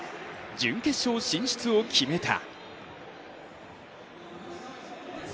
準決勝進出を決めた。